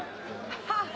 ハハハ！